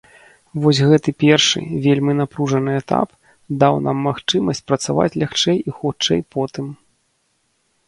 Вось гэты першы, вельмі напружаны этап даў нам магчымасць працаваць лягчэй і хутчэй потым.